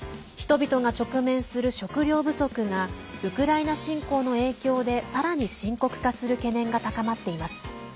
人々が直面する食糧不足がウクライナ侵攻の影響でさらに深刻化する懸念が高まっています。